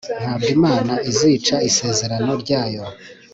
Ntabwo Imana izica isezerano ryayo